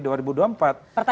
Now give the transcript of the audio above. pertanyaan saya sebentar